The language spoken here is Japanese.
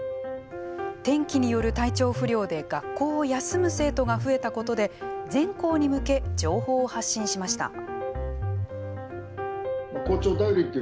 天気による体調不良で学校を休む生徒が増えたことで全校に向け情報を発信しました。